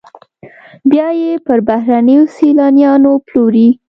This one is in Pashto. بیا یې پر بهرنیو سیلانیانو پلوري